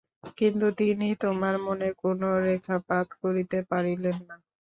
কিন্তু তিনি তোমার মনে কোন রেখাপাত করিতে পারিলেন না।